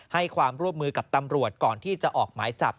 ให้ความร่วมมือกับตำรวจก่อนที่จะออกหมายจับ